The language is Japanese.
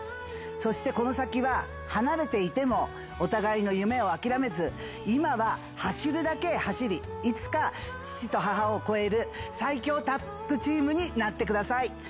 そしてこの先は、離れていてもお互いの夢を諦めず、今は走るだけ走り、いつか父と母を超える最強タッグチームになってください。